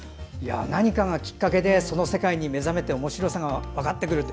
何かがきっかけでその世界に目覚めておもしろさが分かってくる。